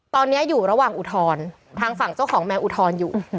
ตอนนี้อยู่ระหว่างอุทธรณ์ทางฝั่งเจ้าของแมวอุทธรณ์อยู่